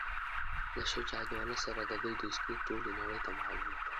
له شجاع الدوله سره د دوی دوستي ټولي نړۍ ته معلومه ده.